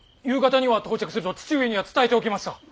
夕方には到着すると父上には伝えておきました。